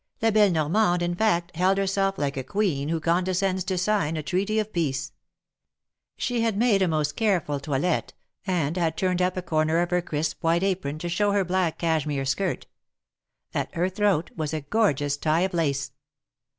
La belle Normande, in fact, held herself like a queen who condescends to sign a treaty of peace. She had made a most careful toilette, and had turned up a corner of her 294 THE MARKETS OF PARIS. crisp white apron to show her black cashmere skirt. At her throat was a gorgeous tie of lace.